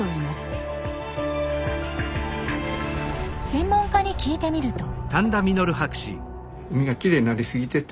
専門家に聞いてみると。